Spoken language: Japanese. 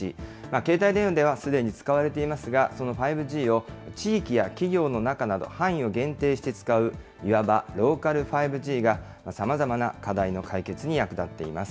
携帯電話ではすでに使われていますが、その５Ｇを、地域や企業の中など、範囲を限定して使ういわばローカル５Ｇが、さまざまな課題の解決に役立っています。